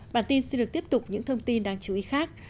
bản tin xin được tiếp tục những thông tin đáng chú ý khác